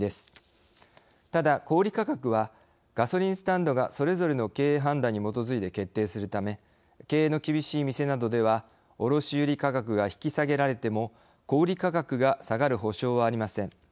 ただ小売価格はガソリンスタンドがそれぞれの経営判断に基づいて決定するため経営の厳しい店などでは卸売価格が引き下げられても小売価格が下がる保証はありません。